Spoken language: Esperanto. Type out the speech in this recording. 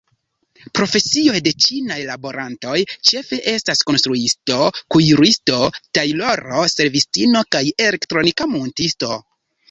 Profesioj de ĉinaj laborantoj ĉefe estas konstruisto, kuiristo, tajloro, servistino kaj elektronika muntisto.